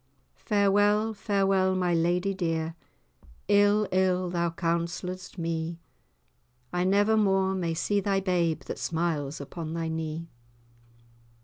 Farewell, farewell, my lady dear, Ill, ill thou counsell'dst me: I never more may see thy babe That smiles upon thy knee.